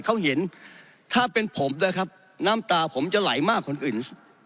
เขาเห็นถ้าเป็นผมนะครับน้ำตาผมจะไหลมากคนอื่น